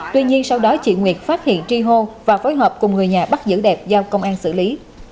tuy nhiên sau đó chị nguyệt phát hiện tri hô và phối hợp cùng người nhà bắt giữ đẹp giao công an xử lý